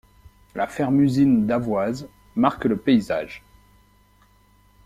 La ferme-usine d'Avoise marque le paysage.